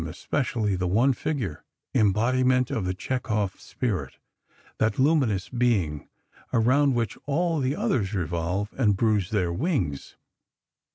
especially the one figure, embodiment of the Chekhov spirit—that luminous being around which all the others revolve and bruise their wings.